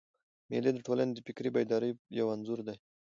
مېلې د ټولني د فکري بیدارۍ یو انځور دئ.